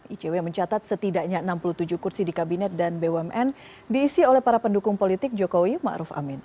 icw mencatat setidaknya enam puluh tujuh kursi di kabinet dan bumn diisi oleh para pendukung politik jokowi ⁇ maruf ⁇ amin